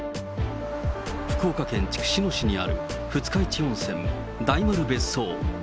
福岡県筑紫野市にある二日市温泉、大丸別荘。